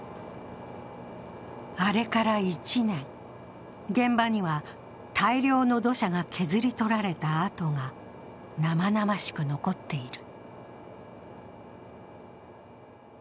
あれから１年、現場には大量の土砂が削り取られた跡が生々しく残っている。